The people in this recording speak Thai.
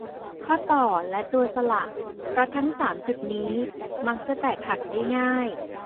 ข้อต่อ และตัวสลัก เพราะทั้ง สาม จุดนี้มักจะแตกหักได้ง่าย